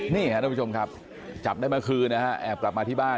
นี่ครับทุกผู้ชมครับจับได้เมื่อคืนนะฮะแอบกลับมาที่บ้าน